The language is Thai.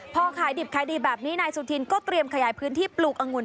พอขายดิบขายดีแบบนี้นายสุธินก็เตรียมขยายพื้นที่ปลูกอังุ่น